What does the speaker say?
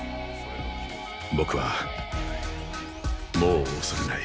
僕はもう恐れない。